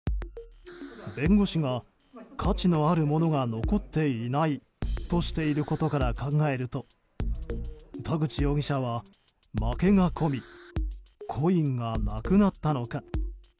弁護士が、価値のあるものが残っていないとしていることから考えると田口容疑者は負けが込みコインがなくなったのか。